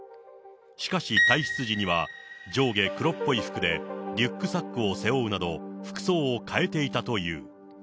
しかし、退室時には、上下黒っぽい服でリュックサックを背負うなど、服装を変えていたという。